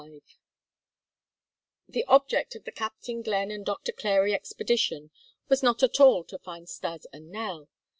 XXV The object of the Captain Glenn and Doctor Clary expedition was not at all to find Stas and Nell.